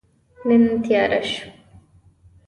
نن تیاره شوه